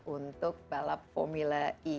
untuk balap formula e